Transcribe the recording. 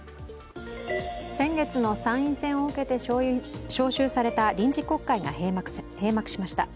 先月の参院選を受けて召集された臨時国会が閉幕しました。